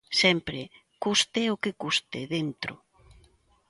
Sempre, custe o que custe, dentro.